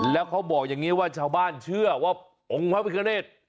แล้วเขาบอกอย่างนี้ว่าชาวบ้านเชื่อว่าองค์พระพิคเนธ